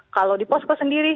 kalau di posko sendiri